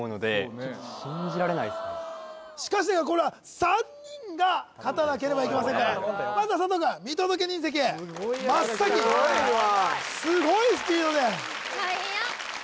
しかしながらこれは３人が勝たなければいけませんからまずは佐藤くん見届け人席へ真っ先すごいスピードだよはっや！